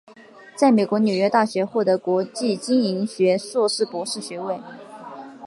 在美国纽约大学获得国际经营学硕士博士学位。